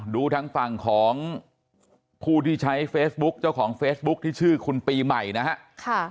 ดูทางฝั่งของผู้ที่ใช้เฟซบุ๊กเจ้าของเฟซบุ๊คที่ชื่อคุณปีใหม่นะฮะ